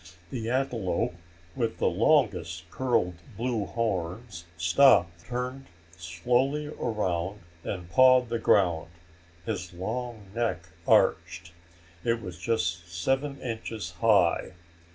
The antelope with the longest curled blue horns stopped, turned slowly around and pawed the ground, his long neck arched. It was just seven inches high.